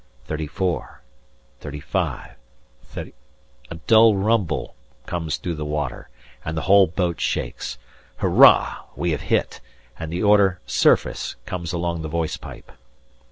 34 35 3 A dull rumble comes through the water and the whole boat shakes. Hurra! we have hit, and the order "Surface" comes along the voice pipe.